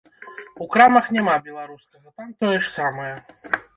У крамах няма беларускага, там тое ж самае.